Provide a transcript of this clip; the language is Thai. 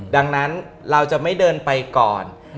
ดังนั้นเราจะไม่เดินไปก่อน